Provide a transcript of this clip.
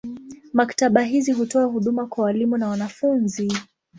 Maktaba hizi hutoa huduma kwa walimu na wanafunzi.